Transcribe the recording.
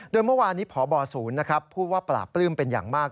โดยเมื่อวานนี้พบศูนย์พูดว่าปลาปลื้มเป็นอย่างมาก